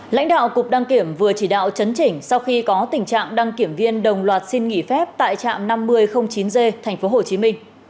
lãnh đạo cục đăng kiểm vừa chỉ đạo chấn chỉnh sau khi có tình trạng đăng kiểm viên đồng loạt xin nghỉ phép tại trạm năm mươi chín g tp hcm